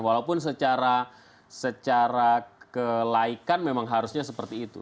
walaupun secara kelaikan memang harusnya seperti itu